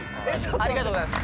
ありがとうございます